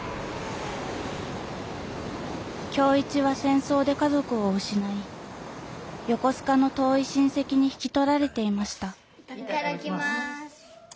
今日一は戦争で家族を失い横須賀の遠い親戚に引き取られていましたいただきます。